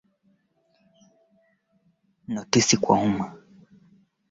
Waturuki Kwa mfano ikiwa kitende kinawasha hii ni pesa ikiwa masikio